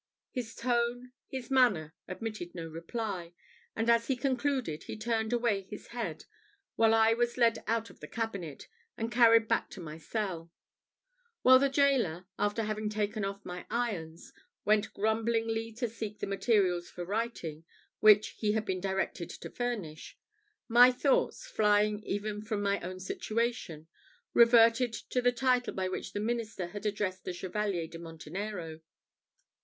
His tone, his manner, admitted no reply; and as he concluded he turned away his head, while I was led out of the cabinet, and carried back to my cell. While the gaoler, after having taken off my irons, went grumblingly to seek the materials for writing, which he had been directed to furnish, my thoughts, flying even from my own situation, reverted to the title by which the minister had addressed the Chevalier de Montenero.